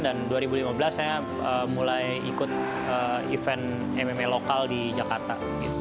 dan dua ribu lima belas saya mulai ikut event mma lokal di jakarta